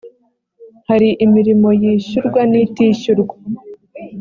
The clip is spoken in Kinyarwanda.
hari imirimo yishyurwan’itishyurwa